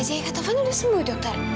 jadi wajahnya taufan udah sembuh dokter